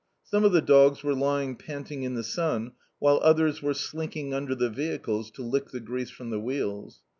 Some of the dogs were lying panting in the sun, while others were slinking under the vehicles to lick the grease from the wheels.